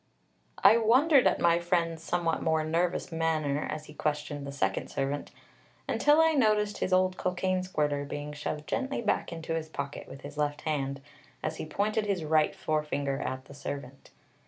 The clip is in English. I wondered at my friend's somewhat more nervous manner as he questioned the second servant, until I noticed his old cocaine squirter being shoved gently back into his pocket with his left hand, as he pointed his right forefinger at the servant.